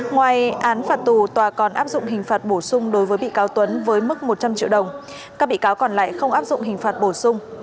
ngoài án phạt tù tòa còn áp dụng hình phạt bổ sung đối với bị cáo tuấn với mức một trăm linh triệu đồng các bị cáo còn lại không áp dụng hình phạt bổ sung